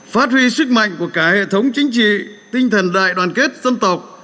phát huy sức mạnh của cả hệ thống chính trị tinh thần đại đoàn kết dân tộc